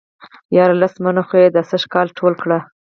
ياره لس منه خو يې دا سږ کال ټول کړي.